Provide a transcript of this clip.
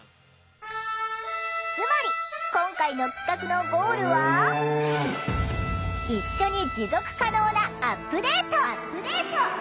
つまり今回の企画のゴールは「一緒に持続可能なアップデート」。